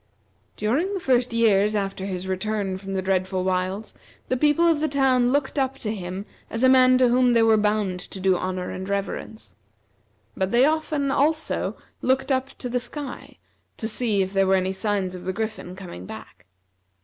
During the first years after his return from the dreadful wilds, the people of the town looked up to him as a man to whom they were bound to do honor and reverence; but they often, also, looked up to the sky to see if there were any signs of the Griffin coming back.